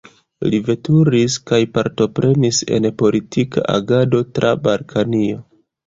Li veturis kaj partoprenis en politika agado tra Balkanio.